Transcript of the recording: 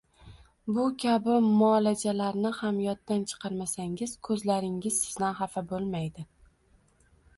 Bu kabi muolajalarni ham yoddan chiqarmasangiz, ko`zlaringiz sizdan xafa bo`lmaydi